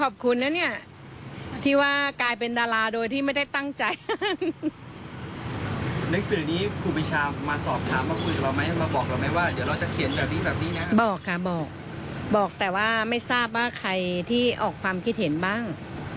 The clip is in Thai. บอกค่ะบอกบอกแต่ว่าไม่ทราบว่าใครที่ออกความคิดเห็นบ้าง